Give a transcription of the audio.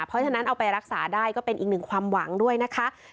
เพราะฉะนั้นเอาไปรักษาได้ก็เป็นอีกหนึ่งความหวังด้วยนะคะ